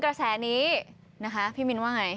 กระแสนี้พี่มิลว่าไง